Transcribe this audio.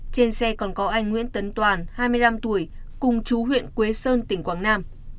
trên xe còn có anh nguyễn tấn toàn hai mươi năm tuổi cùng chú huyện quế sơn tỉnh quảng nam